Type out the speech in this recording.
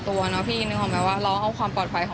ก็มีกลัวบ้างก็ไม่คิดว่าจะมีอะไรแบบนี้เกิดขึ้น